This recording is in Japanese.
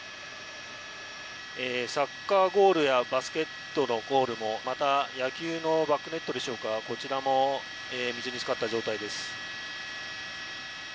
サッカーゴールやバスケットのゴールもまた野球のバックネットでしょうかこちらも水につかった状態です。